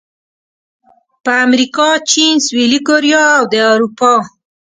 په امریکا، چین، سویلي کوریا او د اروپا